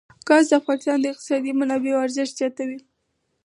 ګاز د افغانستان د اقتصادي منابعو ارزښت زیاتوي.